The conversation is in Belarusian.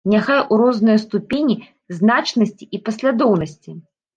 Няхай у рознай ступені значнасці і паслядоўнасці.